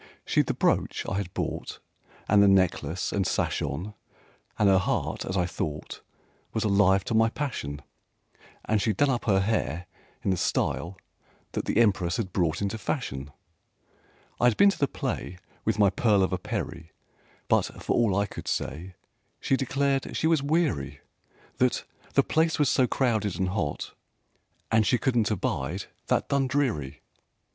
She'd the brooch I had bought And the necklace and sash on, And her heart, as I thought, Was alive to my passion; And she'd done up her hair in the style that the Empress had brought into fashion. I had been to the play With my pearl of a Peri But, for all I could say, She declared she was weary, That "the place was so crowded and hot, and she couldn't abide that Dundreary."